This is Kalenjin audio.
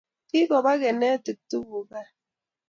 Kakopa kanetik tukuk kaa.